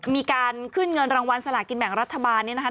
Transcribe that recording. มีการขึ้นเงินรางวัลสลากินแบ่งรัฐบาลเนี่ยนะคะ